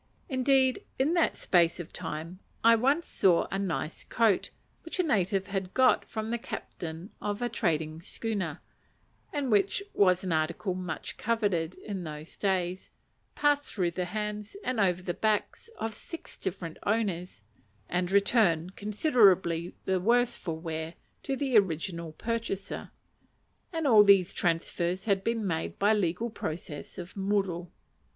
Indeed, in that space of time, I once saw a nice coat, which a native had got from the captain of a trading schooner, and which was an article much coveted in those days, pass through the hands, and over the backs, of six different owners, and return, considerably the worse for wear, to the original purchaser; and all these transfers had been made by legal process of muru.